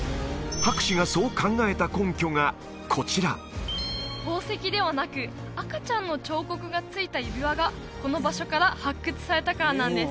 博士がそう考えた根拠がこちら宝石ではなく赤ちゃんの彫刻がついた指輪がこの場所から発掘されたからなんです